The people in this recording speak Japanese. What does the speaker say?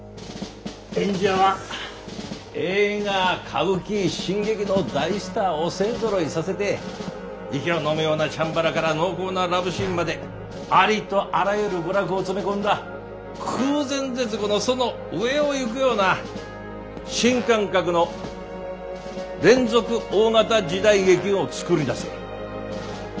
演者は映画歌舞伎新劇の大スターを勢ぞろいさせて息をのむようなチャンバラから濃厚なラブシーンまでありとあらゆる娯楽を詰め込んだ空前絶後のその上をいくような新感覚の連続大型時代劇を作り出せ。